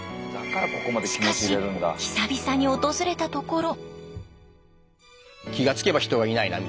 しかし久々に訪れたところ。